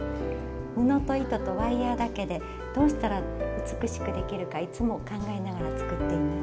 布と糸とワイヤーだけでどうしたら美しくできるかいつも考えながら作っています。